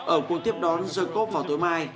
ở cuộc tiếp đón the coupe vào tối mai